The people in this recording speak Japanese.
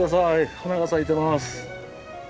花が咲いてます。